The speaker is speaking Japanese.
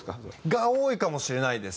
が多いかもしれないです